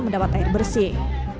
mendapat air bersih